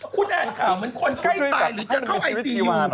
คุณอ่านข่าวเหมือนคนไข้ตายหรือจะเข้าไอซียู